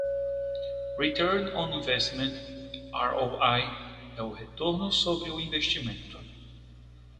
Return on Investment (ROI) é o retorno sobre o investimento.